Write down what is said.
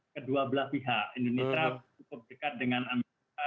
kedua belah pihak indonesia cukup dekat dengan amerika